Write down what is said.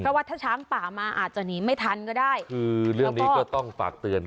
เพราะว่าถ้าช้างป่ามาอาจจะหนีไม่ทันก็ได้คือเรื่องนี้ก็ต้องฝากเตือน